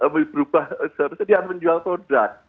mlm nya berubah seharusnya dia menjual produk